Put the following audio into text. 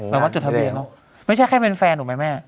แบบว่าจตะเบดหรอไม่ใช่แค่เป็นแฟนหรอแม่